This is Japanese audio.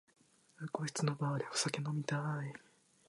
しかのこのこのここしたんたん